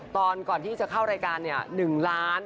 ตอนก่อนที่จะเข้ารายการ๑ล้าน